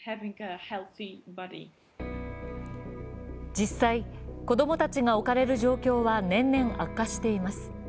実際、子供たちが置かれる状況は年々悪化しています。